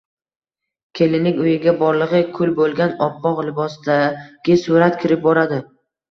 Kelinlik uyiga borlig`i kul bo`lgan oppoq libosdagi surat kirib boradi